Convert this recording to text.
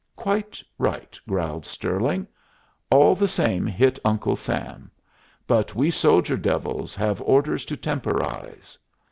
Quite right," growled Stirling. "All the same hit Uncle Sam. But we soldier devils have orders to temporize."